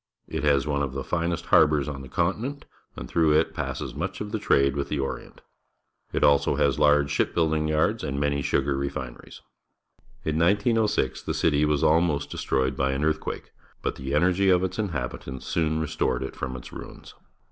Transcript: It has one of the finest harbours on the continent, and through it passes much of the trade with the Orient. It has also large ship building j ards and many sugar refineries. In 1906 the city was almost destroyed bj' an earthquake, but the energy of its inhabitants soon restored it from its ruins.